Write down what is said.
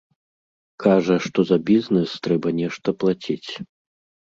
Кажа, што за бізнес трэба нешта плаціць.